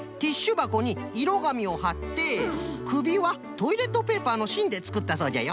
ばこにいろがみをはってくびはトイレットペーパーのしんでつくったそうじゃよ。